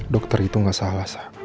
dokter itu gak salah